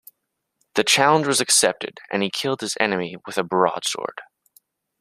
The challenge was accepted, and he killed his enemy with a broad sword.